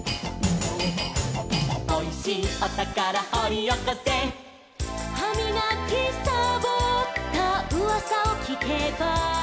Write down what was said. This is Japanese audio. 「おいしいおたからほりおこせ」「はみがきさぼったうわさをきけば」